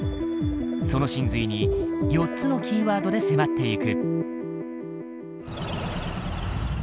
その神髄に４つのキーワードで迫っていく。